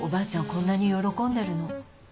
こんなに喜んでるの。